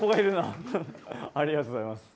ありがとうございます。